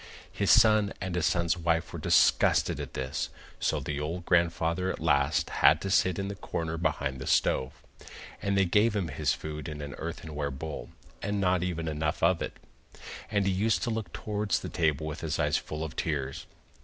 His son and his son's wife were disgusted at this, so the old grandfather at last had to sit in the corner behind the stove, and they gave him his food in an earthenware bowl, and not even enough of it. And he used to look towards the table with his eyes full of tears.